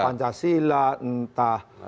entah pancasila entah